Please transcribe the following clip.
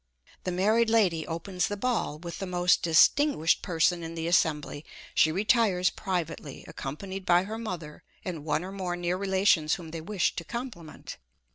The married lady opens the ball with the most distinguished person in the assembly; she retires privately, accompanied by her mother, and one or more near relations whom they wish to compliment.